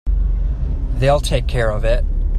They'll take care of it.